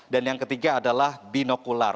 yang ketiga adalah binokular